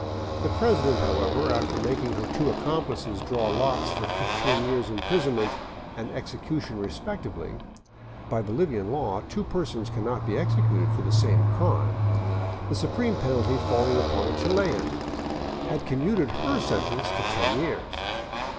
The president, however, after making her two accomplices draw lots for fifteen years' imprisonment and execution respectively — by Bolivian law two per sons cannot be executed for the same crime — the supreme penalty falling upon a Chilian, had commuted her sentence to ten years.